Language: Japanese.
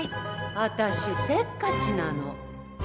私せっかちなの。